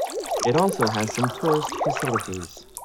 It also has some tourist facilities.